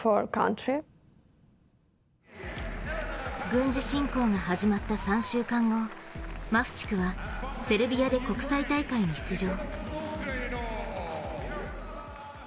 軍事侵攻が始まった３週間後、マフチクはセルビアで国際大会に出場。